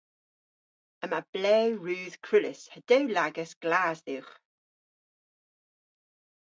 Yma blew rudh krullys ha dewlagas glas dhywgh.